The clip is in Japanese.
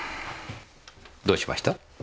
どうしました？